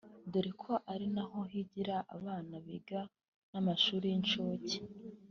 dore ko ari naho higira abana biga mu mashuri y’incuke